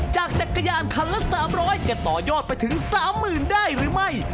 จักรยานคันละ๓๐๐จะต่อยอดไปถึง๓๐๐๐ได้หรือไม่